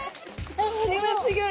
これはすギョい！